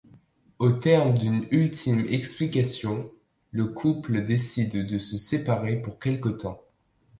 Au terme d’une ultime explication, le couple décide de se séparer pour quelque temps.